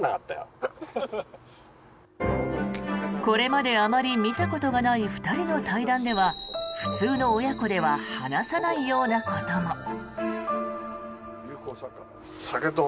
これまであまり見たことがない２人の対談では普通の親子では話さないようなことも。